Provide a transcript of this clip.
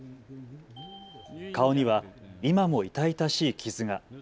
顔には今も痛々しい傷が。